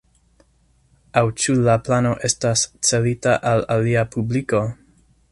Aŭ ĉu la plano estas celita al alia publiko?